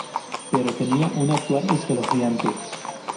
Pero tenía un actuar escalofriante.